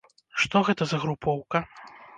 Што гэта за групоўка?